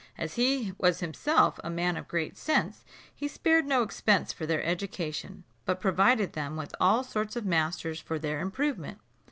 As he was himself a man of great sense, he spared no expense for their education, but provided them with all sorts of masters for their improvement.